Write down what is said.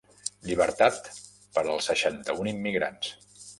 Llibertat per als seixanta-un immigrants